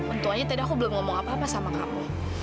untung aja tadi aku belum ngomong apa apa sama kamu